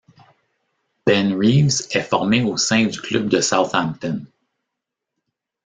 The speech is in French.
Ben Reeves est formé au sein du club de Southampton.